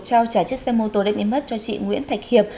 trao trả chiếc xe mô tô đếm đi mất cho chị nguyễn thạch hiệp